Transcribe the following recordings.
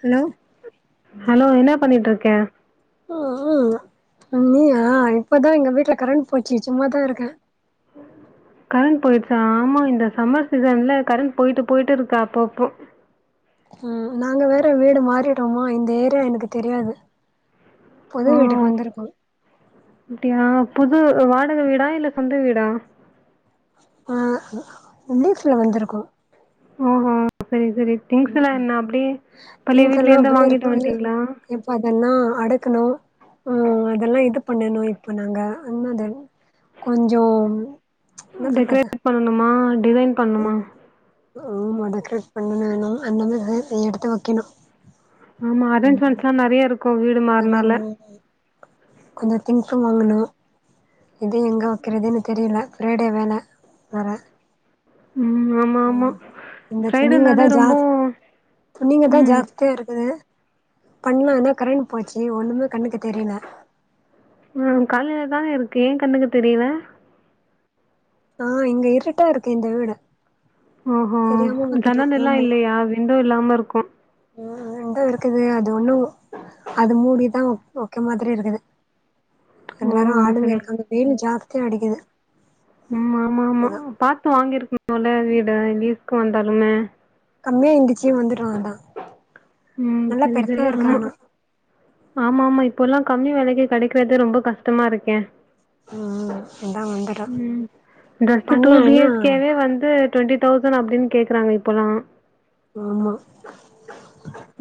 Hello hello என்னா பண்ணிட்டு இருக்கே ம் அ நீ அ இப்பதா எங்க வீட்ல கரண்ட் போச்சு சும்மாதா இருக்க ம் கரண்ட் போயிடுச்சா ஆமா இந்த சம்மர் சீசன்ல கரண்ட் போயிட்டு போயிட்டு இருக்கா அப்பப்போ ம் நாங்க வேற வீடு மாறிட்டோமா இந்த ஏர்யா எனக்கு தெர்யாது புது ஓ! வீட்டுக்கு வந்திருக்கோ அது வாடக வீடா இல்ல சொந்த வீடா அ லீஸ்ல வந்திருக்கோ அ அ செரி செரி திங்க்ஸ்ல்லா என்ன அப்டியே பழைய வீட்ல திங்க்கெல்லா இருந்தே அப்டியே வாங்கிட்டு இருக்கு வட்டீங்களா இப்ப அதெல்லா அடுக்கணு அ அதெல்லா இது பண்ணணு இப்போ நாங்க [unintelligible] கொஞ்சோ என்ன சொல்றது பண்ணமா ஆமா டெக்ரேட் பண்ணணு அந்தா மாரி எடுத்து வைக்கணு ஆமா அரேஞ்மென்ட்சு நெறைய இருக்கும் வீடு வேற மாற்னாலே கொஞ்சோ திங்க்ஸ்சும் வாங்கணும் எது எங்க வைக்கறதுன்னு தெரியல ஃப்ரைடே வேண வேர ம் ஆமா ஆமா துணிங்க தா ஃப்ரைடேனாலே ரொம்போ ஜாஸ் துணிங்க தா ஜாஸ்தியா இருக்குது பண்ணலாம் ஆனா கரண்ட் போச்சு ஒண்ணுமே கண்ணுக்கு தெரில அ காலைலதானே இருக்கு ஏ கண்ணுக்கு தெரில அ இங்க இருட்டா இருக்கு இந்த வீடு ஓஹோ தெரியாம வந்துட்டோ ஜன்னல் எல்லா இல்லியா விண்டோ இல்லாம இருக்கு உ ரெண்டும் இருக்குது அது ஒண்ணு அது மூடிதா வைக்க மாதிரி இருக்குது அந்த ஓ! வோரம் ஆளுங்க சரி. இருக்காங்க வெயலும் ஜாஸ்தியா அடிக்குது ம் ஆமா ஆமா அதா பாத்து வாங்கிருக்கலும்ல வீடு லீஐஸ்க்கு வந்தாலுமே கம்மியா இருந்துச்சு வந்துட்டோ அதா ம் நல்லா செரி பெருசா செரி இருக்கு ஆமா ஆனா ஆமா ஆமா இப்பல்லா கம்மி வேலக்கி கெடைக்கறது ரொம்ப கஷ்டமா இருக்கே ம் அதா வந்துட்டோ ம் ஜஸ்ட் டூ பண்லா பி ஆனா ஹெச் கேவே வந்து டுவெண்டி தௌசண்ட் அப்டின்னு கேக்றாங்க இப்பெல்லா ஆமா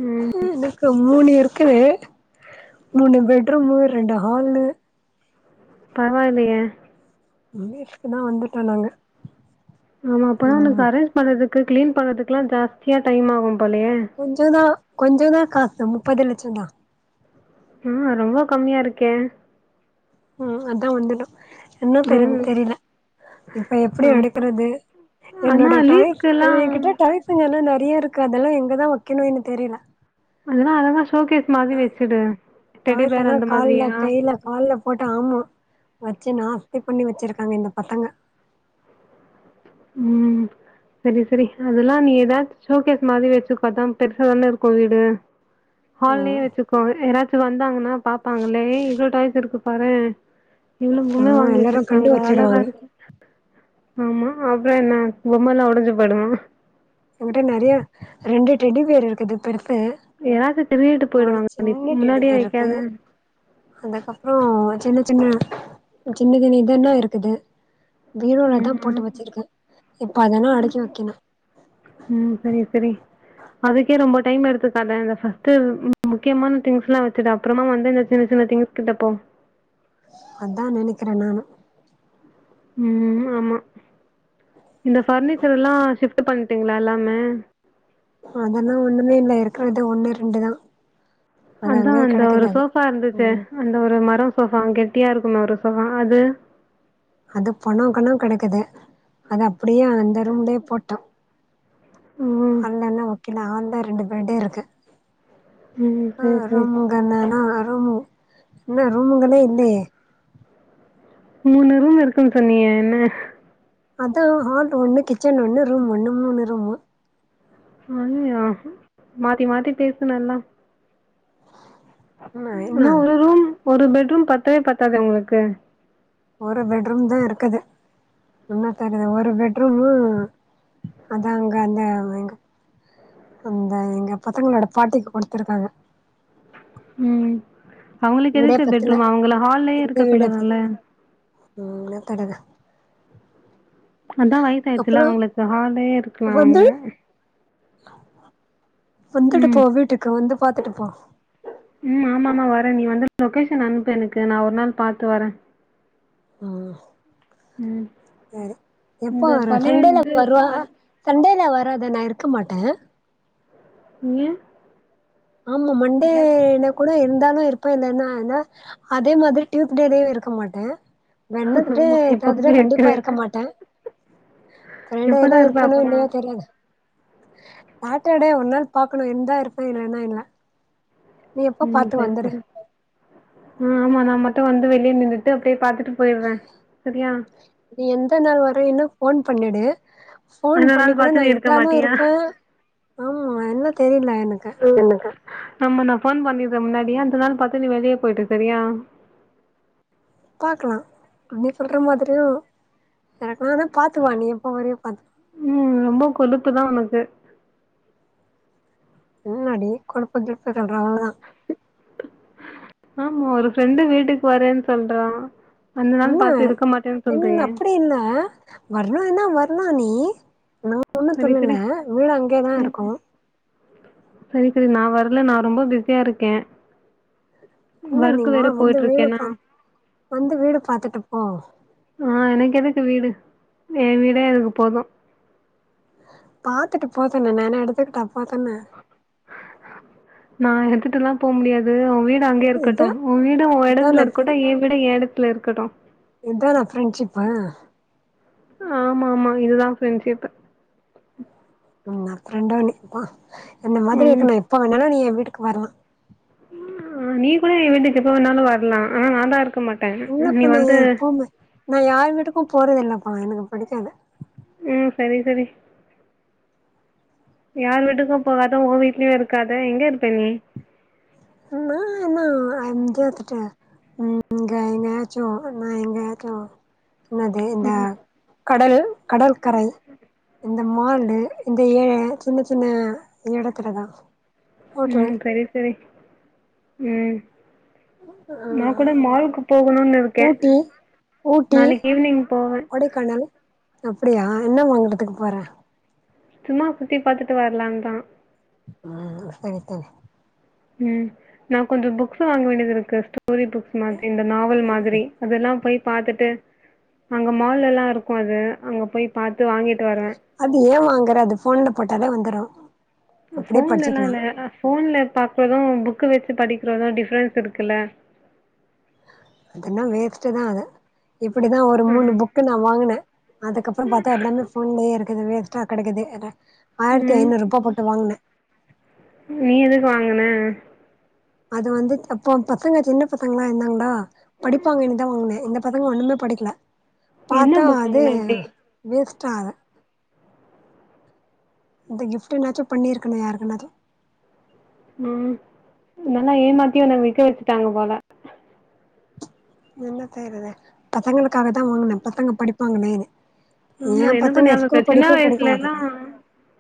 ம். இ எனக்கம் மூணு இருக்குது மூணு பெட்ருமு ரெண்டு ஹால்லு பரவாயில்லியே [unintelligible] தா வந்துட்ட நாங்க ஆமா அப்பதா எனக்கு ம் அரேஞ்ச் பண்றதுக்கு கிளீன் பண்றதிக்லா ஜாஸ்தியா டைம் ஆகும் போலயே! கொஞ்ச தா கொஞ்ச தா காசு முப்பது லட்சந்தா ம் ரொம்ப கம்மியா இருக்கே ம் அதா வந்துடோ என்ன தெரினு ம். தெரில இப்ப எப்டி ஆமா. அடுக்கிறது ஆனா என்னோட டாய் லீஸ்க்குல்லா எதுகிட்ட டாய்ஸ் இங்க எல்லா நெற அப்டியே இருக்கு அதெல்லா எங்கதா வைக்கனுன்னு தெரில [unintelligible] மாதிரி தா வச்சுடு டெடி பேர் தயத்தெல்லா அந்த கால்ல மாதிரியா கையில கால்ல போடா ஆமா வெச்சி நாஸ்தி பண்ணி வெச்சிருக்காங்க இந்த பசங்க ம் சேரி சேரி அதெல்லா நீதா ஷோகேஸ் மாரி வெச்சுக்கோ அதா பெருசாதான்ன இருக்கு வீடு ஹால்லேயே ம் வெச்சுக்கோ யாராச்சும் வந்தாங்கன்னா பாப்பாங்களே இவ்ளோ டாய்ஸ் இருக்கு பாறே இவ்ளோ பொம்மே ம் வாங்கி எல்லாரு வெச்சிருக்காங்க கண்டு அழகா வச்சிடுவாங்க இருக்கு ஆமா அப்ரோ என்ன பொம்மலா ஒடஞ்சி போய்டுமா ஏ கிட்ட நெறைய ரெண்டு டெடிபியர் இருக்குது பெருஸ் எதாச்சி திருடிட்டு போயிடுவாங்க அத முன்னாடியே வைக்காத அதுக்கப்ரோ சின்ன சின்ன சின்னது இதெல்லா இருக்குது பிரோலதா ம் போட்டு ஆமா வெச்சிருக்க இப்ப அதெல்லா அடுக்கி வைக்கணு ம் செரி செரி அதுகேப் ரொம்ப டைம் எடுத்துக்காத அந்த ஃபர்ஸ்ட் மு முக்கியமான திங்ஸ்லா வெச்சுடு அப்புறமா வந்து இந்த சின்ன சின்ன திங்ஸ் கிட்ட போ அத்தா நெனைக்கிற நானு ம் ஆமா இந்த பர்னிச்சர் எல்லா சிப் பண்டேங்களா எல்லாமே அதெல்லா ஒண்ணுமே இல்ல இருக்கறது ஒன்னு ரெண்டுதா அது அதா அங்கயே அந்த ஒரு கெடக்குது அது சோஃபா இருந்துச்சே அந்த ஒரு மரோ சோஃபா அங்கே குட்டியா இருக்கு ஒரு சோஃபா அது அது பொணோ கணோ கனக்குது அது அப்டியே அந்த ரூம்லே போட்டோ ம் அந்தனா ஓகேனா ஹால்ல ரெண்டு பெட்டு இருக்கு ம் அ சரி சரி ரொங்க நனா அம்மு என்ன ரூமுங்களே இல்லியே மூணு ரூம் இருக்குன்னு சொன்னியே என்ன அதா ஹால் ஒன்னு கிச்சன் ஒன்னு ரூம் ஒன்னு மூணு ரூமு ஐயா மாத்தி மாத்தி பேசன எல்லா இன்ன என்னா ஒரு ரூம் ஒரு பெட்ரூம் பத்தவே பத்தாதே உங்ளுக்கு ஒரு பெட்ரூம் தா இருக்குது என்ன தர்ரது ஒரு பெட்ரூமு அதா அங்க அந்த எங்க அந்த எங்க பசங்களோட பாட்டிக்கு குடுத்துருக்காங்க உம் அவங்களுக்கு வீடே எதுக்கு பத்தல பெட்ரூம் அவங்கள ஹால்லயே இந்த இருக்க சொல்லலால தடதா அதா வயசாயிச்சில்ல அவங்களுக்கு ஹாலே வந்து இருக்கலால்ல வந்துட்டு ம் போ வீட்டுக்கு வந்து பாத்துட்டுப்போ உம் ஆமாமமா வர நீ வந்து லொகேஷன் அனுப்பு எனக்கு நான் ஒரு நாள் பாத்து வர ஆ சரி எப்போ இந்த வர பழைய சண்டேல இது வருவா பல் சண்டேல வர அத நான் இருக்க மாட்ட நீங்க ஆமா மண்டேல கூட இருந்தாலு இருப்ப இல்லன்னா என்ன அதே மாதிரி டியூத்டேலையும் இருப் க்க மாட்ட வெனத்டே ஆமா தேத்டே எப்பவுமே கண்டிப்பா இருக்கவே இருக்க மாட்ட எப்பதா ஃபரைடேலாம் இருப்ப இருப்பேனோ அப்பனா இல்லையா தெரியாது சாட்டர்டே ஒரு நாள் பாக்கணும் எந்தா இருப்ப இல்லனா இல்ல நீ எப்போ உம் பாத்து சரி வந்துரு சரி ம் ஆமா நா மட்டு வந்து வெளியே நின்னுட்டு அப்படியே பாத்துட் நீ எந்த நாள் வர இன்னு ஃபோன் பண்ணிடு போன் அடுத்த பண்ணி நாள் கூட நா பாத்து நீ இருக்க இருந்தாலு மாட்டியா இருப்ப ஆமா என்ன தெரில எனக்கு [unintelligible] ஆமா நா ஃபோன் பண்ணிறே முன்னாடியே அந்த நாள் பாத்து நீ வெளியே போயிடு சரியா பாக்கலா நீ சொல்ற மாதிரியும் எனக்குனதா பார்த்து வா நீ எப்போ வரையோ பார்த்து உம் ரொம்ப கொழுப்பு தா உனக்கு என்னாடி கொழுப்பு கிழுப்பு சொல்ற அவளவு தா ஆமா ஒரு ஃப்ரெண்டு வீட்டுக்கு வரேன்னு சொல்றா அந்த நாள் என்னா பாத்து இருக்க மாட்டேன்னு என்னன்ன சொல்றியே அப்டி என்ன வரான்னா வரலா நீ நா ஒண்ணு சரி சொல்லல வீடு அங்கேதா இருக்கு செரி செரி நா வரல நா ரொம்ப பிஸியா இருக்கே என்ன நீ ஒர்க்கு வா வேற வந்து போயிட்டு வீடு இருக்கேன்னா பாத் வந்து வீட பாத்துட்டுப்போ ஆ எனக்கு எதுக்கு வீடு எ வீடே எனக்கு போது பாத்துட்டு போவேண்டியதான எடுத்துகிட்ட அப்பாதானே நா எடுத்துட்டுல்லா போ முடியாது இது ஊ வீடு அங்கயே இருக்கட்டு இதா ஊ வீடு உன் இதானா எடத்துல ஃப்ரெ இருக்கட்டு ஏ வீடு எ எடத்துல இருக்கட்டு இதானா ஃப்ரெண்ஷிப்பு ஆமாமா இதுதா ஃப்ரெண்ஷிப்பு ம் ந ஃப்ரெண்டோனே பா இந்த மாதிரி ம் இருக்கனு எப்ப வேணாலு நீ எ வீட்டுக்கு வரலா நீ கூட ஏ வீட்டுக்கு எப்ப வேனாலு வரல ஆனா நாந்தா இருக்க மாட்டேன் நீ இல்லப்பா நா வந்து எப்பவுமே நா யார் வீட்டுக்கு போறது இல்லப்பா எனக்கு பிடிக்காது ம் செரி செரி யார் வீட்டுக்கு போகாத உ வீட்லயு இருக்காத எங்க இருப்ப நீ ந என்ன ஆ அ எத்துட்ட ம்‌ இங்கயெங்காயாச்சோ நாயெங்கயாச்சோ என்னது இந்த ம் கடல் கடல்கரை ம் இந்த மாலு இந்த ஏழ சின்ன சின்ன எடத்துல தா ம் செரி செரி ம் ஆ நா கூட மால்கு போகணுன் இருக்கே ஊட்டி ஊட்டி நாளைக்கு ஈவினிங் போவேன் அப்படியா என்ன வாங்கறதுக்கு போற சும்மா சுத்தி பாத்துட்டு வரலான் தா அ ம் நா கொஞ்ச புக்ஸ் வாங்க வேண்டியதுருக்கு கஷ்டோ ஸ்டோரி புக்ஸ் மாதிரி இந்த நாவல் மாதிரி அதெல்லா போயி பாத்துட்டு அங்க மால்லலெல்லா இருக்கு அது அங்க போய் பாத்து வாங்கிட்டு வருவ வேறு அது ஃபோன்ல போட்டாலே வந்துரு அப்டியே ஃபோன்ல எல்லா படிச்சுக்கலா இல்ல அ ஃபோன்ல பாத்தது புக் புக்கு வெச்சி படிக்கிறோனா டிஃப்ரென்ஸ் இருக்குல்ல அதன்னா வேஸ்ட்டுதா அது இப்டிதா ஒரு மூணு ம் புக்கு நா வாங்குனேன் அதுக்கப்புறம் பார்த்தா எல்லாமே போன்லயே இருக் இது வேஸ்ட்டா கெடக்குது அத ஆயிரத்தி ம் ஐநூறுபா போட்டு வாங்குன நீ எதுக்கு வாங்குன அது வந்து அப்போ பசங்க சின்ன பசங்களா இருந்தாங்களா படிப்பாங்கன்னுதா வாங்குனே இந்த பாத்தோம்னா ஒண்ணுமே படிக்கல என்ன பாத்தா புக் அது வாங்கின அப்படி வேஸ்ட்டாகுது இந்த கிஃப்ட்டு என்னாச்சும் பண்ணிருக்கணும் யாருக்குன்னாது ம் நல்லா ஏமாத்தி ஒன்ன விக்க வச்சுட்டாங்க போல என்ன செய்றது பசங்களுக்காகதா வாங்குனேன் பசங்க படிப்பாங்களேன்னு ஆமா ஏ என்ன பசங்க பண்ணியாகறது ஸ்கூல் சின்ன படிப்பே படிக்க வயசுல எல்லா மாட்டேங்குது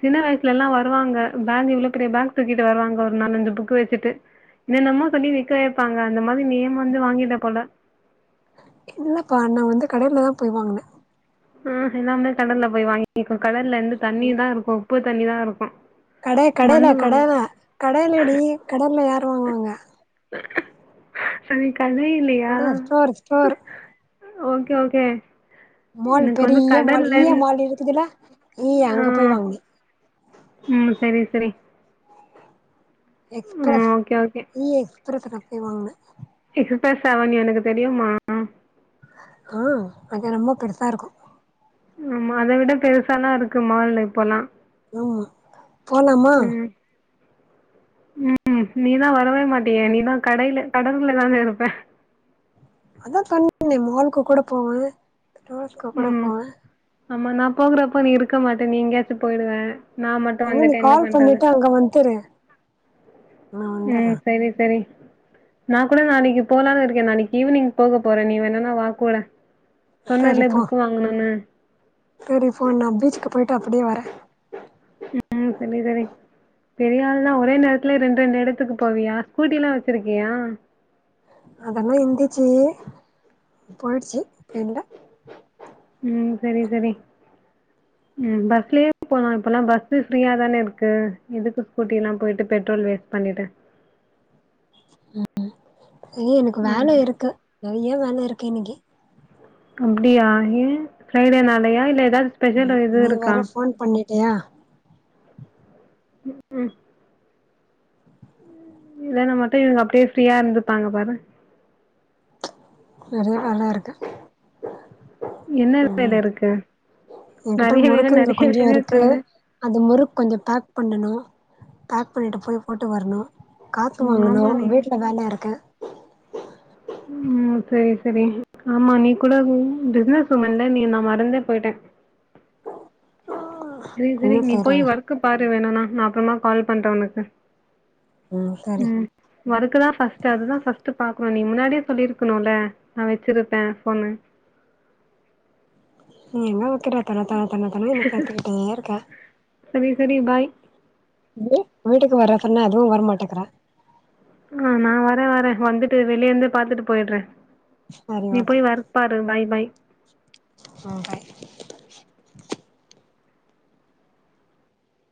சின்ன வயசுல எல்லா வருவாங்க பேக் இவ்ளோ பெரிய பேக் தூக்கிட்டு வருவாங்க ஒரு நாலஞ்சு புக்க வச்சிட்டு என்னமோ பண்ணி விக்க வப்பாங்க‌ அந்த மாரி நீயும் வந்து வாங்கிட்ட போல இல்லப்பா நா வந்து கடையிலதா போய் வாங்குன ஆ எல்லாமே கடல்ல போய் வாங்கிக்கோ கடல்ல வந்து தண்ணிதா இருக்கும் உப்பு தண்ணிதா இருக்கும் கட கடேல மண்ணு வாங்க கடிலா கடலடி கடல்லல யார் வாங்குவாங்க சரி கண்ணு இல்லையா கட store store okay okay mall எனக்கு வந்து பெரிய மால் கடல்ல ஈய மால் இருக்குதுல்ல ஈய ஆ அங்க போய் வாங்குனே ம் சரி சரி ம் எக்ஸ்பிரஸ் ஓகே ஓகே இ எக்ஸ்பிரஸ்ல போய் வாங்குனே க்ரிப்டா செவன் எனக்கு தெரியும்மா ஆ அது ரொம்ப பெருசா இருக்கும் ஆமா அத விட பெருசாலா இருக்கு மால் இப்பல்லா ஆமா போலாமா ம் நீதா வரவே மாட்டியே நீதா கடையில கடல்தானே இருப்ப அதா பண்ணுவேனே மால்க்கு கூட போவ ரோஸ்க்குகூட ம் போவே ஆமா நான் போகுறப்போ நீ இருக்க மாட்ட நீ எங்கயாச்சு போயிடுவ நா மட்டும் நீ வந்துட்டு என்ன கால் பண்றது பண்ணிட்டு அங்க வந்துரு நா வந்துர்றே ம் சரி சரி நா கூட நாளைக்கு போலான்னு இருக்கேன் நாளைக்கு ஈவினிங் போகப் போற நீ வேணுன்னா வா கூட சொன்னேல்ல புக்கு வாங்கணுன்னு சரிப்பா நா பீச்சுக்கு போயிட்டு அப்டியே வர ம் பண்ணித் தரே பெரியாள் தான் ஒரே நேரத்துலே ரெண்டு ரெண்டு எடத்துக்கு போவியா ஸ்கூட்டில்லாம் வச்சிருக்கியா அதெல்லா இருந்துச்சி போயிடுச்சு இப்ப இல்ல ம் சரி சரி ம் பஸ்லேயே போலாம் இப்போல்லா பஸ்ஸு ஃப்ரீயா தானே இருக்கு எதுக்கு ஸ்கூட்டில்லாம் போயிட்டு பெட்ரோல் வேஸ்ட் பண்ணிட்டு ஐய எனக்கு வேல ம் இருக்கு நெறைய வேல இருக்கு இன்னைக்கி அப்டியா ஏன் ஃப்ரைடேனாலயா இல்ல எதாது ஸ்பெஷலா ம் எதுவு நீ இருக்கா வேற ஃபோன் பண்ணிட்டியா ம் இல்லன்னா மட்டும் இவுங்க அப்டியே ஃப்ரீயா இருந்துப்பாங்க பாரு நெறைய வேல இருக்கு என்ன வேல இருக்கு எங்கிட்ட நெறைய வேல முறுக்கு இங்க நெறைய கொஞ்சோ வேல இருக்கு சொன்ன அந்த முறுக் கொஞ்சோ பேக் பண்ணனு பேக் பண்ணிட்டு போய் போட்டு வரணு காத்து ம் வாங்கனு ஆமா நீ வீட்ல வேல இருக்கு ம் செரி செரி ஆமா நீ கூட பிசினஸ் உமன்ல நீ நா மறந்தே போயிட்ட செரி செரி இன்னு நீ போய் செய்றாங்க ஒர்க்க பாரு வேணுணா நா அப்றமா கால் பண்ற வொனக்கு ம் வருக்குதா ஃபஸ்ட் அதுதா ஃபஸ்ட் பாக்கணு நீ முன்னாடியே சொல்லிருக்கணுல நா வச்சிருப்ப போனு நீ எங்க வைக்கற தொன தொன தொன தொனனு நீ கத்திக்கிட்டே இருக்க சரி சரி பாய் து வீட்டுக்கு வற சொன்னா அதுவு வரமாட்டக்கற ஆ நா வர வர வந்துட்டு வெளியேந்து பாத்துட்டு போயிடுற சரி நீ ஓகே போய் வெர்க் பாரு பாய் பாய் ம் பாய்